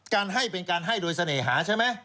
การให้เป็นการให้โดยเสน่หาใช่ไหม